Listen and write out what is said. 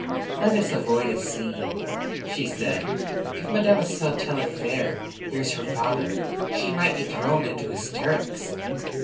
"Let us avoid a scene," she said. "If Mademoiselle Taillefer hears her father, she might be thrown into hysterics."